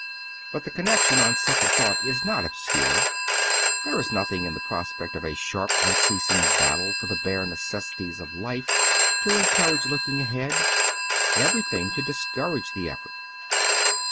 But the connection on second thought is not obscure. There is nothing in the prospect of a sharp, unceasing battle for the bare necessaries of life to encourage looking ahead, everything to discourage the effort.